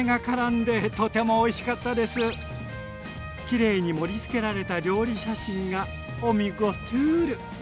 きれいに盛りつけられた料理写真がおみゴトゥール！